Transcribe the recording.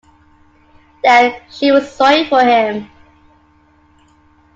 Then she was sorry for him.